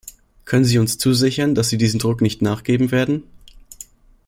Können Sie uns zusichern, dass Sie diesem Druck nicht nachgeben werden?